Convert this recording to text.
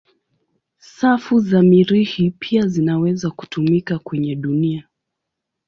Safu za Mirihi pia zinaweza kutumika kwenye dunia.